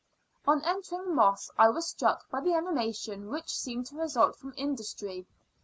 On entering Moss I was struck by the animation which seemed to result from industry.